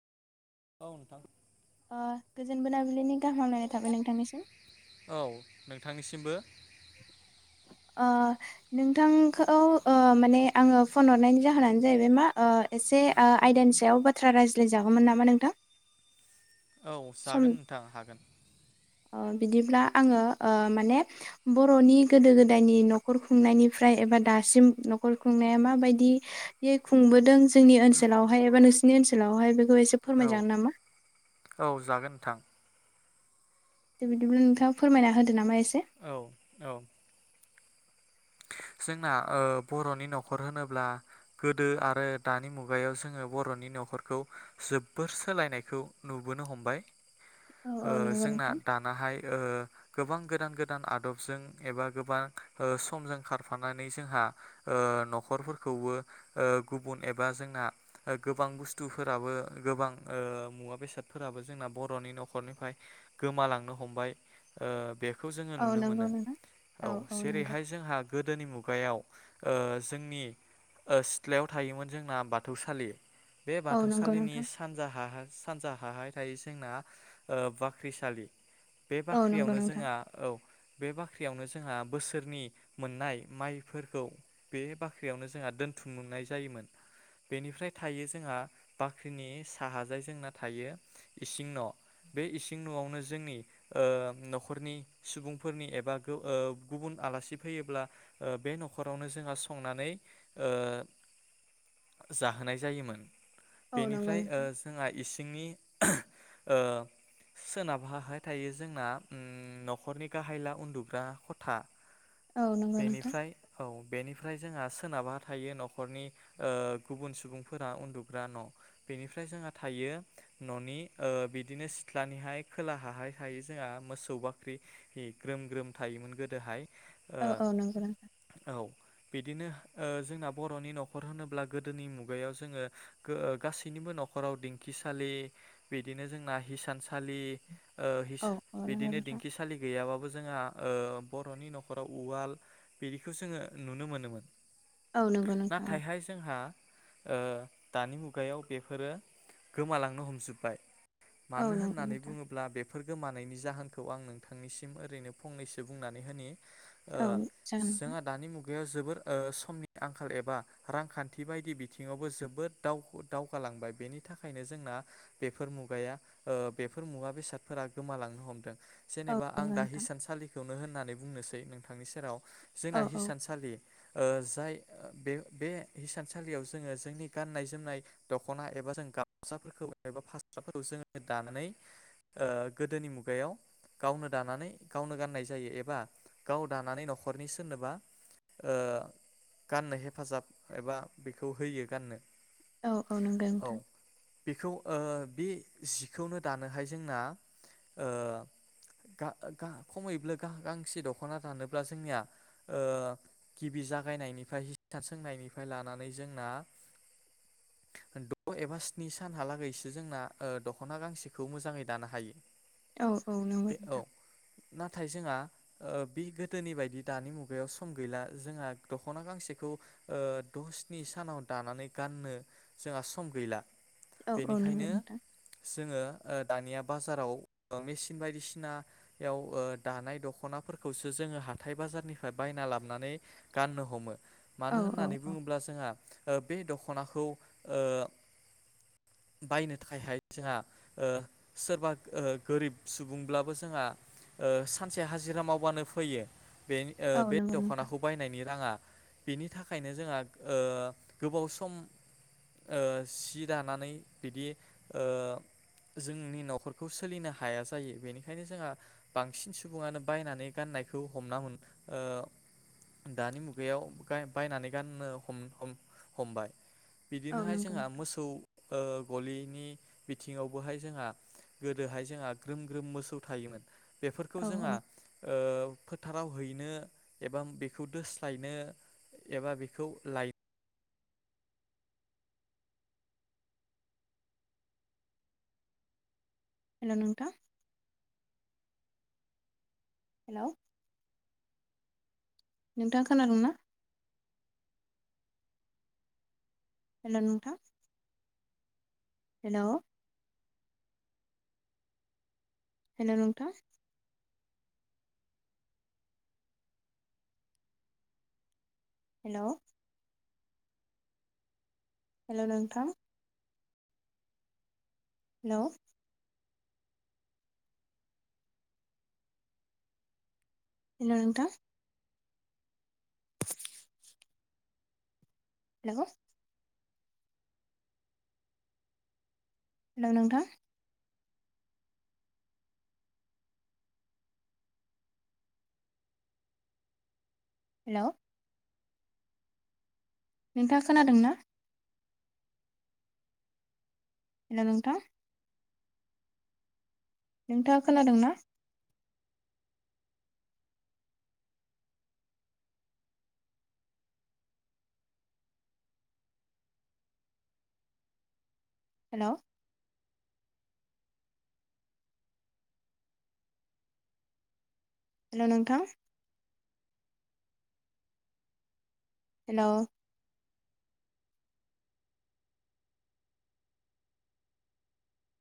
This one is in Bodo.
औ नोंथां ओ गोजोन मोनाबिलि नि गाहाम हामलायनाय थाबाय नोंथांनिसिम औ नोंथांनिसिमबो ओ नोंथांखौ ओ माने आङो फन हरनायनि जाहोनानो जाहैबाय मा ओ एसे ओ आयदानि सायाव बाथ्रा रायज्लाय जागोमोन नामा नोंथां? औ सम जागोन नोंथां हागोन। ओ बिदिब्ला आङो ओ माने बर'नि गोदो गोदायनि न'खर खुंनायनिफ्राय एबा दासिम न'खर खुंनाया माबायदियै खुंबोदों जोंनि ओनसोलावहाय एबा नोंसिनि ओनसोलावहाय बे खौ एसे फोरमायजागोन नामा? थां दे बिदिब्ला नोंथाङा फोरमायना होदो नामा ए से। औ औ जोंना ओ बर'नि न'खर होनोब्ला गोदो आरो दानि मुगायाव जोङो बर'नि न'खरखौ जोबोर सोलायनायखौ नुबोनो हमबाय। औ औ ओ नंगौ जोंना नोंथां दानाहाय ओ गोबां गोदान गोदान आदबजों एबा गोबां ओ समजों खारफानानै जोंहा ओ न'खरफोरखौबो ओ गुबुन एबा जोंना गोबां बुस्थुफोराबो गोबां ओ मुवा बेसादफोराबो जोंना बर'नि न'खरनिफ्राय गोमालांनो हमबाय ओ बे खौ जोङो औ नुनो नंगौ मोनो। नोंथां औ जेरैहाय जोंहा गोदोनि मुगायाव ओ जोंनि ओ सिथ्लायाव थायोमोन जोंना बाथौसालि बे औ नंगौ बाथौसालिनि नोंथां सानजा हा सानजााहाहाय थायो जोंना ओ बाख्रिसालि बे औ नंगौ बाख्रियावनो नोंथां जोंहा औ बे बाख्रियावनो जोंहा बोसोरनि मोननाय माइफोरखौ बे बाख्रियावनो जोंहा दोनथुम नाय जायोमोन बेनिफ्राय थायो जोंहा बाख्रिनि साहाजाय जोंना थायो इसिं न'। बे इसिं न'आवनो जोंनि ओ न'खरनि सुबुंफोरनि एबा गो ओ गुबुन आलासि फैयोब्ला ओ बे न'खरावनो जोंहा संनानै ओ जाहोनाय जायोमोन। औ नंगौ बेनिफ्राय ओ नोंथां जोंहा इस थिंनि सोनाबा हा हाय थायो जोंना ओम न'खरनि गाहायला उन्दुग्रा खथा। औ नंगौ नोंथां बेनिफ्राय औ बेनिफ्राय जोंहा सोनाबहा थायो न'खरनि ओ गुबुन सुबुंफोरा उन्दुग्रा न' बेनिफ्राय जोंहा थायो न'नि ओ बिदिनो सिथ्लानिहाय खोलाहाहाय जोंहा मोसौ बाख्रि ग्रोम ग्रोम थायोमोन गोदोहाय औ ओ औ नोंगौ नोंथां औ बिदिनो ओ जोंना बर'नि न'खर होनोब्ला गोदोनि मुगायाव जोङो गो-गासैनिबो न'खराव दिंखिसालि बिदिनो जोंना हिसानसालि ओ हिस औ औ नंगौ बिदिनो नोंथां दिंखिसालि गैयाबाबो जोंहा ओ बर'नि न'ख खराव उवाल बिदिखौ जोङो नुनो मोनोमोन। औ नंगौ नोंथां औ नाथायहाय जोंहा ओ दानि मुगायाव बेफोरो गोमालांनो हमजोबबाय। औ मानो नंगौ होननानै नोंथां बुङोब्ला बे फोर गोमानायनि जाहोनखौ आं नोंथांनिसिम ओरैनो फंनैसो बुंनानै होनि। ओ औ जागोन जोंहा दानि मुग गायाव जोबोर ओ समनि आंखाल एबा रांखान्थि बायदि बिथिङावबो जोबोर दाव-दावगालांबाय बेनि थाखायनो जोंना बेफोर मुगाया ओ बेफोर मुवा बेसादफोरा गोमालांनो हमदों। जेनेबा आं दा नोंथां हिसानसालि बेखौनो होननानै बुंनो नोंथांनि सेराव औ जोंना नंगौ नोंथां औ हिसानसालि ओ जाय बे बे हिसानसालियाव जोङो जोंनि गाननाय जोमनाय दख'ना एबा जों गामसाफोरखौ एबा बाथ्राफोरखौ जोङो दानानै ओ गोदोनि मुगायाव गावनो दानानै गावनो गाननाय जायो एबा गाव दानानै न'खरनि सोरनोबा ओ गाननो हेफाजाब एबा बिखौ होयो गाननो औ औ नंगौ नोंथां बेखौ ओ बे जिखौनो दानोहाय जोंना ओ गा-गा कमैबो गा-गांसे दख ख'ना दानोब्ला जोंनिया ओ गिबि जागायनायनिफ्राय हिसान सोंनायनिफ्राय लानानै जोंना द एबा स्नि सानहालागैसो जोंना ओ दख'ना गांसेखौ मोजाङै दानो हायो। औ औ नंगौ नोंथां। थाइ जोंङा ओ बे गोदोनि बायदि दानि मुगायाव सम गैला जोंहा दखना गांसेखौ ओ द स्नि सानाव दानानै गाननो जोंहा सम गैला। औ औ नंगौ बेनिखायनो नोंथां जोङो ओ दानिया बाजाराव मेसिन बायदिसिनायाव ओ दानाय दखना फोरफोरखौसो जोङो हाथाय बाजारनिफ्राय बायना लाबोनानै गाननो हमो औ मानो नंगौ नोंथां औ औ होननानै औ बुङोब्ला जोंहा ओ बे दख'नाखौ ओ बायनो थाखायहाय जोंहा ओ सोरबा गोरिब सुबुंब्लाबो ओ सानसे हाजिरा माव बानो फैयो बे ओ औ बे नंगौ नोंथां दख'नाखौ बायनायनि राङा। बेनि थाखायनो जोंहा ओ गोबाव सम ओ सि दानानै बिदि ओ जोंनि न'खरखौ सोलिनो हाया जायो बेनिखायनो जोंहा बांसिन सुबुङानो बायनानै गाननायखौ हमना ओ दानि मुगायाव बा-बायनानै गाननो हम-हम-हमबाय। औ बिदिनोहाय नंगौ जोंहा नोंथां मोसौ ओ गलिनि बिथिङावबोहाय जोंहा गोदोहाय जोंहा ग्रोम ग्रोम मोसौ थायोमोन। बेफोरखौ औ जोंहा औ ओ फोथाराव हैनो एबा बेखौ दोस्लायनो एबा बेखौ लाय हेल' नोंथां। हेल' नोंथाङा खोनादोंना? हेल' नोंथां। हेल' हेल' नोंथां हेल' हेल' नोंथां हेल' हेल' नोंथां। [inaudible] हेल' हेल' नोंथां हेल' नोंथाङा खोनादों ना हेलौ नोंथां। नोंथाङा खोनादों ना। हेलौ। हेलौ नोंथां। हेलौ।